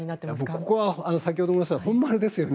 ここは先ほど申した本丸ですよね。